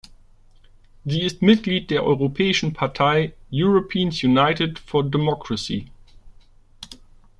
Sie ist Mitglied der europäischen Partei Europeans United for Democracy.